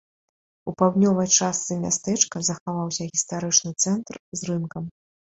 У паўднёвай частцы мястэчка захаваўся гістарычны цэнтр з рынкам.